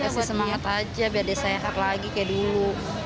kasih semangat aja biar dia sehat lagi kayak dulu